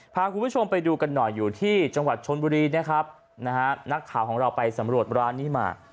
พาคุณผู้ชมไปดูกันหน่อยอยู่ที่จังหวัดชนบุรีนะครับนะฮะนักข่าวของเราไปสำรวจร้านนี้มา